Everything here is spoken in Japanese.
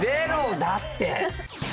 ０だって！